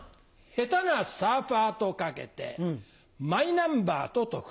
下手なサーファーと掛けてマイナンバーと解く。